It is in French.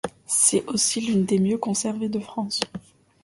C'est aussi l'une des mieux conservées de France.